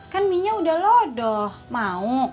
kan mie nya udah lodoh mau